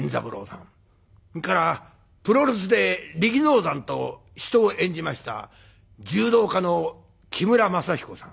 それからプロレスで力道山と死闘を演じました柔道家の木村政彦さん。